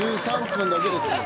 １３分だけですよ。